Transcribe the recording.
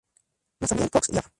Nathaniel Cox y Av.